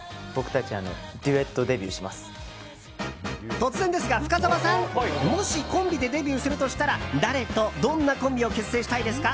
突然ですが、深澤さんもし、コンビでデビューするとしたら誰と、どんなコンビを結成したいですか？